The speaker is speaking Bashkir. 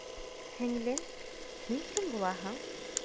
Һеңлем, һин кем булаһың?